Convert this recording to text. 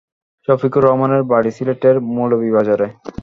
শফিকুর রহমানের বাড়ি সিলেটের মৌলভীবাজারে।